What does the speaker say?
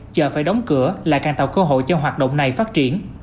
chợ phải đóng cửa là càng tạo cơ hội cho hoạt động này phát triển